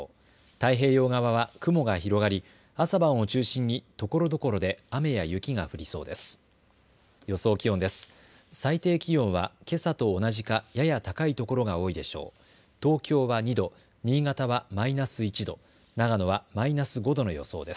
太平洋側は雲が広がり朝晩を中心にところどころで雨や雪が降りそうです。